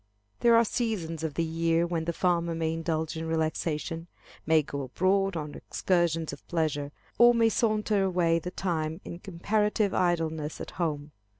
There are seasons of the year when the farmer may indulge in relaxation, may go abroad on excursions of pleasure, or may saunter away the time in comparative idleness at home.